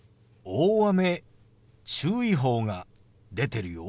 大雨注意報が出てるよ。